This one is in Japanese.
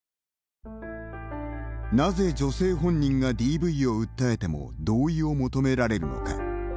なぜ、女性本人がＤＶを訴えても同意を求められるのか。